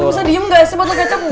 lu bisa diem gak sih botol kecap